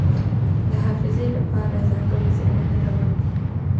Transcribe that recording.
د حافظې لپاره ځانګړې څېړنې روانې دي.